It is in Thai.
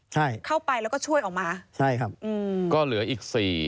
ใช่ใช่ครับก็เหลืออีก๔